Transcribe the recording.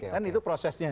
kan itu prosesnya